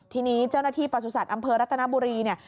ทีนี้เจ้าหน้าที่ประสุทธิ์อำเภอรัตนบุรีเนี่ย